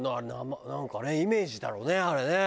なんかねイメージだろうねあれね。